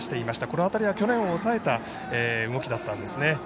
この辺りは去年を押さえた動きだったんですね。